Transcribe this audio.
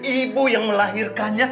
ibu yang melahirkannya